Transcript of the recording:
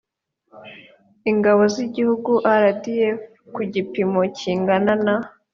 ingabo z igihugu rdf ku gipimo kingana na